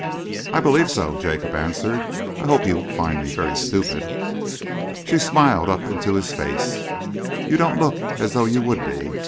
"I believe so," Jacob answered. "I hope you won't find me very stupid." She smiled up into his face. "You don't look as though you would be.